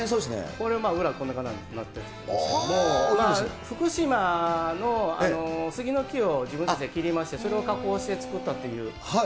これ、裏こんな感じになってるんですけど、福島の杉の木を自分たちで切りまして、それを加工して作ったという。